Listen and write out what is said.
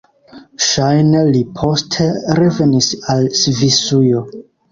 Ŝajne li poste revenis al Svisujo.